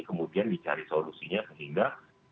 kemudian dicari solusinya sehingga